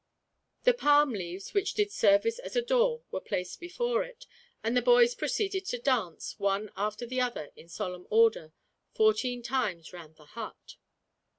The palm leaves which did service as a door were placed before it, and the boys proceeded to dance, one after the other in solemn order, fourteen times round the hut.